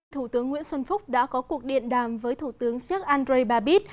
thủ tướng nguyễn xuân phúc đã có cuộc điện đàm với thủ tướng séc andrej babis